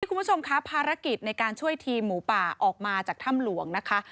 คุณผู้ชมคะภารกิจในการช่วยทีมหมูป่าออกมาจากถ้ำหลวงนะคะ